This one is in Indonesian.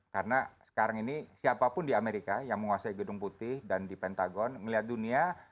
karena sekarang ini siapapun di amerika yang menguasai gedung putih dan di pentagon melihat dunia